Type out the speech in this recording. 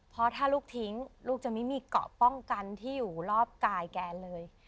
เพราะถ้าลูกทิ้งลูกจะไม่มีเกาะป้องกันที่อยู่รอบกายแกเลย